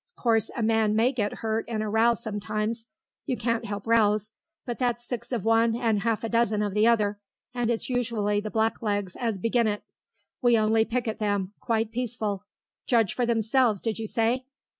'Course a man may get hurt in a row sometimes; you can't help rows; but that's six of one and 'alf a dozen of the other, and it's usually the blacklegs as begin it. We only picket them, quite peaceful.... Judge for themselves, did you say?